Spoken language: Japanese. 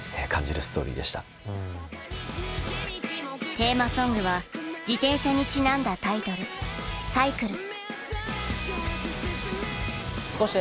テーマソングは自転車にちなんだタイトル「Ｃｙｃｌｅ」。